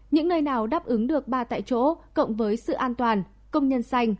những nơi nào đáp ứng được ba tại chỗ cộng với sự an toàn công nhân xanh